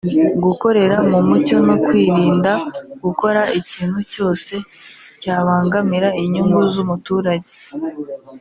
gukorera mu mucyo no kwirinda gukora ikintu cyose cyabangamira inyungu z’umuturage